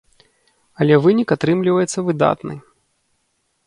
Але вынік атрымліваецца выдатны.